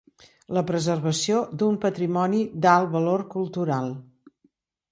La preservació d'un patrimoni d'alt valor cultural.